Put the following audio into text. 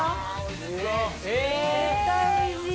絶対おいしい！